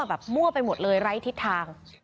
มั่วไปหมดเลยไร้ทิศทาง